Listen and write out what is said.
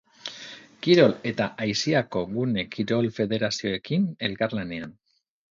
Kirol eta aisiako gunea kirol-federazioekin elkarlanean.